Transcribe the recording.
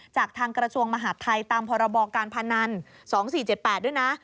จากทางกระทรวงมหาดไทยตามพรบการพนัน๒๔๗๘ด้วยนะ